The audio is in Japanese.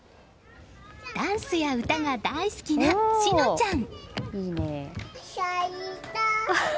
ダンスや歌が大好きな心和ちゃん。